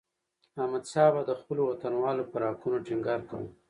احمدشاه بابا د خپلو وطنوالو پر حقونو ټينګار کاوه.